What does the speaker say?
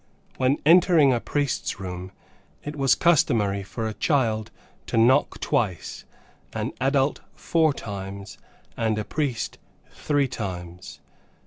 When entering a priest's room it was customary for a child to knock twice, an adult four times, and a priest three times.